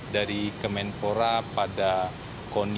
dari kemenpora pada koni